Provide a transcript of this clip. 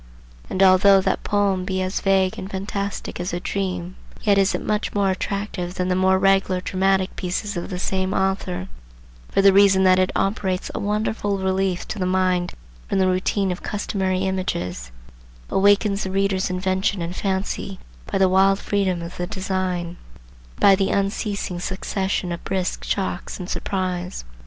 And although that poem be as vague and fantastic as a dream, yet is it much more attractive than the more regular dramatic pieces of the same author, for the reason that it operates a wonderful relief to the mind from the routine of customary images,—awakens the reader's invention and fancy by the wild freedom of the design, and by the unceasing succession of brisk shocks of surprise.